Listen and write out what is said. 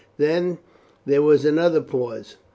Then there was another pause.